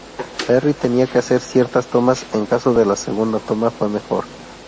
Perry tenía que hacer ciertas tomas en caso de la segunda toma fue mejor.